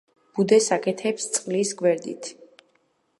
ბუდეს აკეთებს წყლის გვერდით.